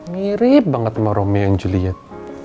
mirip banget sama romeo dan juliet